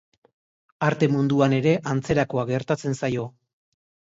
Arte munduan ere antzerakoa gertatzen zaio.